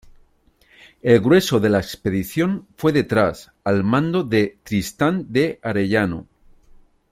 El grueso de la expedición fue detrás al mando de Tristán de Arellano.